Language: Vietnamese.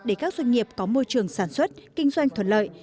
để các doanh nghiệp có môi trường sản xuất kinh doanh thuận lợi